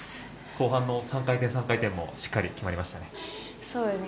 後半の３回転、３回転もしっかり決まりましたね。